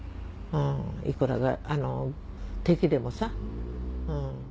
いくら敵でもさ。